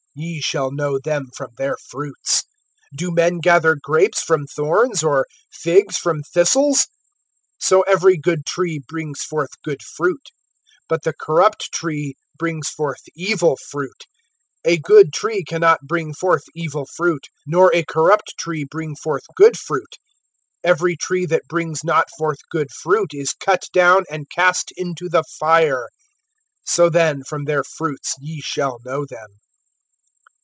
(16)Ye shall know them from their fruits. Do men gather grapes from thorns, or figs from thistles? (17)So every good tree brings forth good fruit; but the corrupt tree brings forth evil fruit. (18)A good tree can not bring forth evil fruit, nor a corrupt tree bring forth good fruit. (19)Every tree that brings not forth good fruit is cut down, and cast into the fire. (20)So then, from their fruits ye shall know them.